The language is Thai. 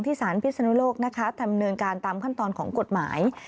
ที่สภโลกธรรมเนินการตามขั้นตอนของกฎหมาย